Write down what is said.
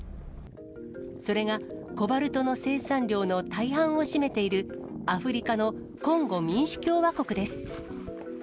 それがコバルトの生産量の大半を占めている、アフリカのコンゴ民主共和国です。